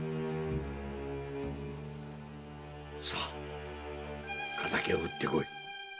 さあ仇を討ってこい。